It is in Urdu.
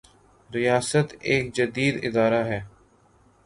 ریاست ایک جدید ادارہ ہے۔